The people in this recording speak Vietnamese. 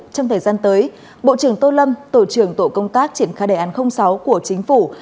trong thời gian tới bộ trưởng tô lâm tổ trưởng tổ công tác triển khai đề án sáu của chính phủ